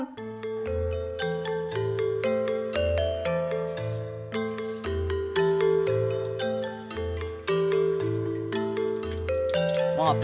pernah nggak tahu ya